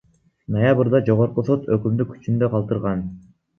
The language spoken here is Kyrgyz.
Ноябрда Жогорку сот өкүмдү күчүндө калтырган.